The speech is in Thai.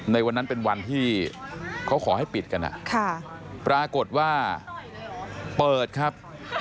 ในวันนั้นเป็นวันที่เขาขอให้ปิดกันปรากฏว่าเปิดครับ